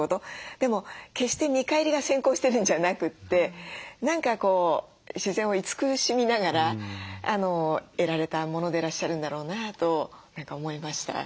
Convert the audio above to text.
でも決して見返りが先行してるんじゃなくて何かこう自然を慈しみながら得られたものでらっしゃるんだろうなと何か思いました。